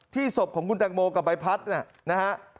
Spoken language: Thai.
ที่ศพของคุณตังโมกับใบพัดนะครับ